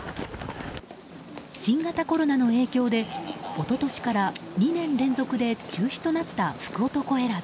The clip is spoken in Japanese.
新型コロナの影響で一昨年から２年連続で中止となった福男選び。